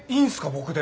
僕で。